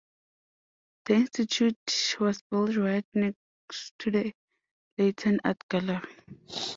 The institute was built right next to the Layton Art Gallery.